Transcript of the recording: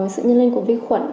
sự nhân linh của vi khuẩn